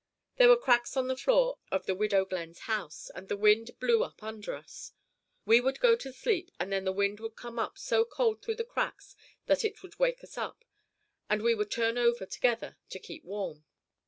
There were cracks in the floor of the Widow Glenn's house, and the wind blew up under us. We would go to sleep, and then the wind would come up so cold through the cracks that it would wake us up, and we would turn over together to keep warm.